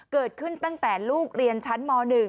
เกิดขึ้นตั้งแต่ลูกเรียนชั้นม๑